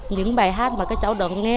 những bài hát mà các cháu đồng nghe